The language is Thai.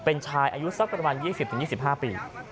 เป็นชายอายุสักประมาณ๒๐๒๕ปี